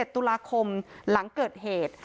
๑ตุลาคมหลังเกิดเหตุ